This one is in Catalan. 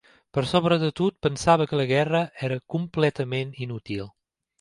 Per sobre de tot, pensava que la guerra era completament inútil.